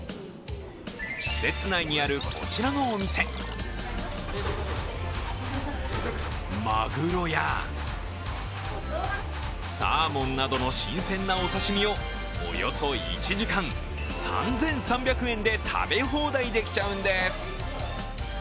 施設内にあるこちらのお店、マグロやサーモンなどの新鮮なお刺身をおよそ１時間３３００円で食べ放題できちゃうんです。